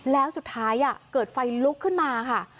แล้วสุดท้ายเกิดไฟลุกขึ้นมาค่ะ